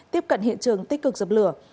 tiếp cận hiện trường tích cực dập lửa